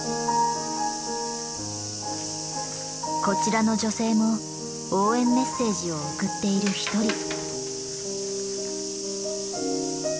こちらの女性も応援メッセージを送っている一人。